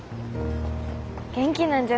元気なんじゃない？